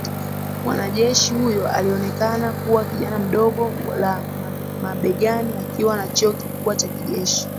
Mwanajeshi huyo alionekana kuwa kijana mdogo la mabegani akiwa na cheo kikubwa cha kijeshi